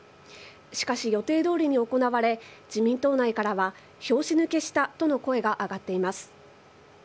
しかし予定どおりに行われ、自民党内からは拍子抜けしたとの声が上がっています。